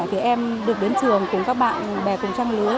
thì em được đến trường cùng các bạn bè cùng trang lứa